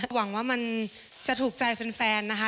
หวังว่ามันจะถูกใจแฟนนะคะ